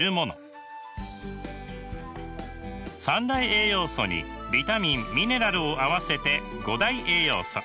三大栄養素にビタミンミネラルを合わせて五大栄養素。